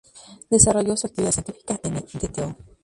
Desarrolló su actividad científica en el "Dto.